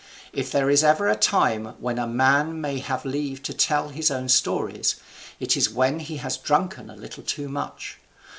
If there is ever a time when a man may have leave to tell his own stories, it is when he has drunken a little too much.